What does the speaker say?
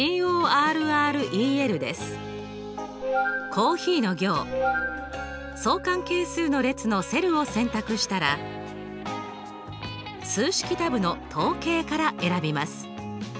コーヒーの行相関係数の列のセルを選択したら数式タブの統計から選びます。